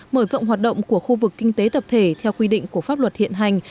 mở rộng hoạt động của khu vực kinh tế tập thể theo quy định của pháp luật hiện hành